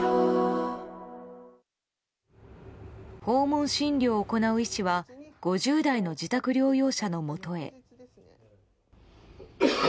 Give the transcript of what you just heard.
訪問診療を行う医師は５０代の自宅療養者のもとへ。